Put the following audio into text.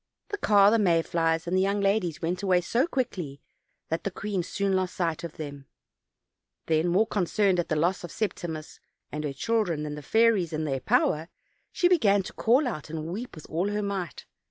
The car, the may flies and the young ladies went away so quickly that the queen soon lost sight of them. Then, more concerned at the loss of Septimus and her children than at the fairies and their power, she began to call out and to weep with all her might.